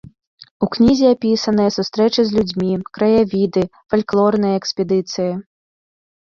У кнізе апісаныя сустрэчы з людзьмі, краявіды, фальклорныя экспедыцыі.